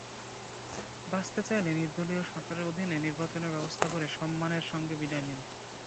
বাঁচতে চাইলে নিদর্লীয় সরকারের অধীনে নির্বাচনের ব্যবস্থা করে সম্মানের সঙ্গে বিদায় নিন।